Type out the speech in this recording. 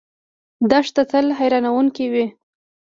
دښته تل حیرانونکې وي.